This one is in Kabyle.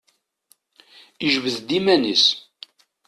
Ijbed iman-is.